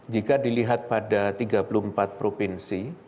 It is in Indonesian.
jika dilihat pada tiga puluh empat provinsi